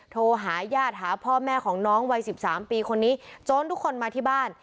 โทรหาญาติหาพ่อแม่ของน้องวัย๑๓ปีคนนี้โจรทุกคนมาที่บ้าน